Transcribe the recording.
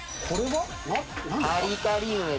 カリカリ梅です。